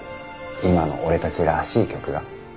今の俺たちらしい曲が。